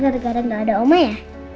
gara gara gak ada oma ya